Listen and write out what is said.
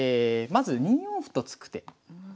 まず２四歩と突く手。